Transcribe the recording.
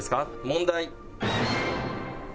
問題。